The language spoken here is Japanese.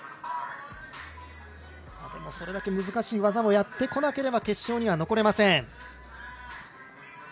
それだけ難しい技もやってこなければ決勝には残れません。